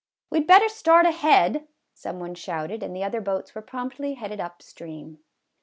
" We 'd better start ahead," some one shouted, and the other boats were promptly headed up stream.